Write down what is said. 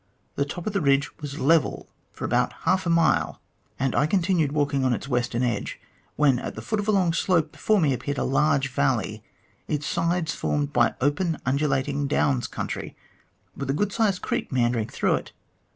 The top of the ridge was level for about half a mile, and I continued walking on to it& western edge, when at the foot of a long slope before me appeared a large valley, its sides formed by open undulating downs country, with a good sized creek meandering through it.